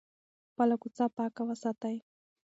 خپله کوڅه پاکه وساتئ.